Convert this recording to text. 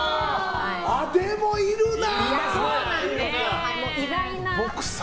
でも、いるな！